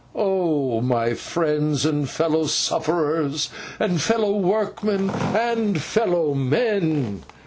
Oh, my friends and fellow sufferers, and fellow workmen, and fellow men!